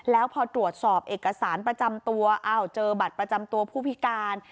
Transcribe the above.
แล้วพอตรวจสอบเอกสารประจำตัวอ้าวเจอบัตรประจำตัวผู้พิการ